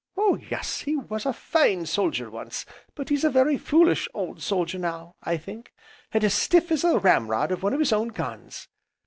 Oh yes, he was a fine soldier, once, but he's a very foolish old soldier, now, I think, and as stiff as the ram rod of one of his own guns.